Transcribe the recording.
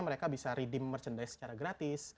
mereka bisa redem merchandise secara gratis